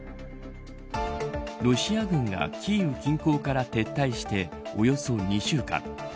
ロシア軍がキーウ近郊から撤退しておよそ２週間。